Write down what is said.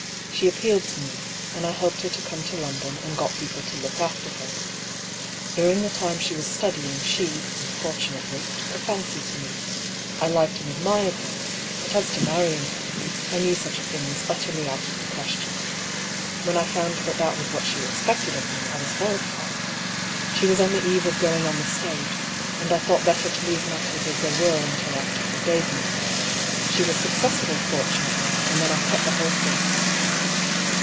She ap pealed to me, and I helped her to come to London, and got people to look after her. During the time she was studying she, unfortunately, took a fancy to me. I liked and admired her ; but as to marrying her, I knew such a thing was utterly out of the question. When I found that that was what she expected of me, I was horrified. She was on the eve of going on the stage, and I thought better to leave matters as they were until after her debilt. She was successful, fortunately, and then I cut the whole thing."